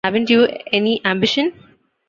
Haven't you any ambition?